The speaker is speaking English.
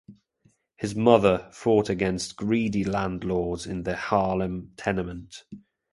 His mother fought against greedy landlords in their Harlem tenement.